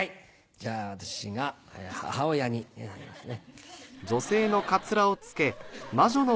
じゃあ私が母親になりますね。